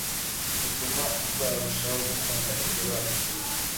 butuma uzarushaho gukunda iryo bara.